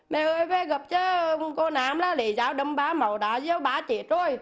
mẹ ơi về gặp cho câu nam là lấy dao đâm ba máu đá dây ba chết rồi